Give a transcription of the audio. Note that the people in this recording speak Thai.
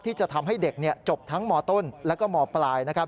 ที่จะทำให้เด็กจบทั้งมต้นและมปลาย